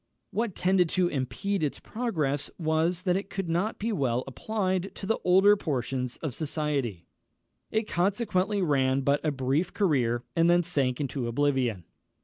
What tended to impede its progress was, that it could not be well applied to the older portions of society. It consequently ran but a brief career, and then sank into oblivion.